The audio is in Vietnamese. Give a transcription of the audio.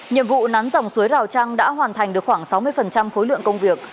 nhiệm vụ nắn dòng suối rào trăng đã hoàn thành được khoảng sáu mươi khối lượng công việc